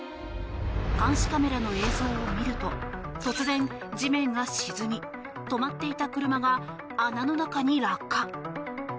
監視カメラの映像を見ると突然、地面が沈み止まっていた車が穴の中に落下。